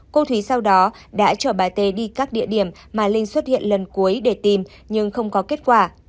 cô thúy sau đó đã chở bà tê đi các địa điểm mà linh xuất hiện lần cuối để tìm nhưng không có kết quả